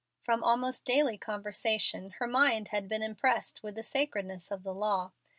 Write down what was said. From almost daily conversation her mind had been impressed with the sacredness of the law.